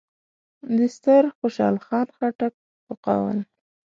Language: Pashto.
د ستر خوشحال خان خټک په قول: